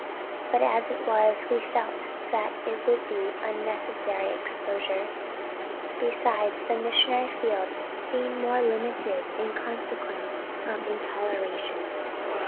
But as it was, we felt that it would be unnecessary exposure, besides the missionary field being more limited in consequence of intoleration.